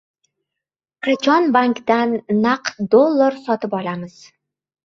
Qachon bankdan naqd dollar sotib olamiz?